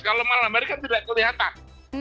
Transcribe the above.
kalau malam hari kan tidak kelihatan